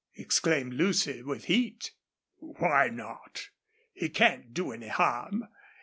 exclaimed Lucy, with heat. "Why not? He can't do any harm.